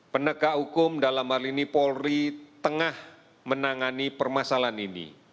penegak hukum dalam hal ini polri tengah menangani permasalahan ini